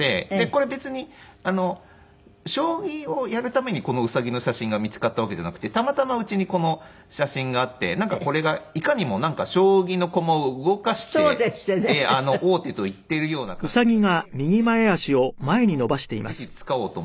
これ別に将棋をやるためにこのウサギの写真が見つかったわけじゃなくてたまたまうちにこの写真があってなんかこれがいかにも将棋の駒を動かして王手と言っているような感じが出ているのでこれをぜひ使おうと思って。